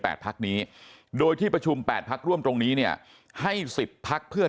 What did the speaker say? ๘พรรคนี้โดยที่ประชุม๘พรรคร่วมตรงนี้เนี่ยให้๑๐พรรคเพื่อ